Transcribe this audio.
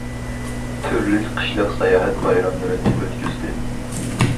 تۈرلۈك قىشلىق ساياھەت بايراملىرىنى ئۆتكۈزدى.